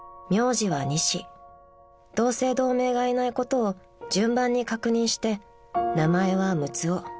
［同姓同名がいないことを順番に確認して名前は六男］